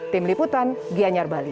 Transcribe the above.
tim liputan gianyar bali